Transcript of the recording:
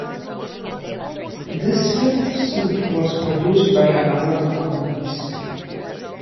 This fifth suit was produced by a number of companies.